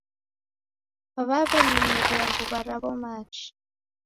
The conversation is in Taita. W'aw'enyinyiria mbuw'a raw'o machi.